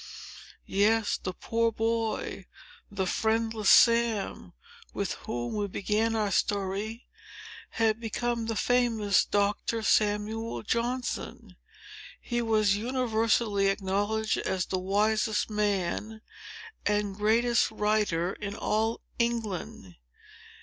Yes; the poor boy—the friendless Sam—with, whom we began our story, had become the famous Doctor Samuel Johnson! He was universally acknowledged as the wisest man and greatest writer in all England.